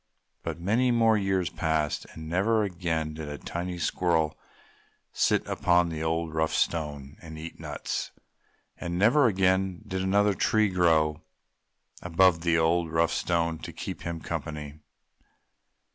But, many more years passed, and never again did a tiny squirrel sit upon the old, rough Stone and eat nuts. And never again did another tree grow above the old, rough Stone to keep him company.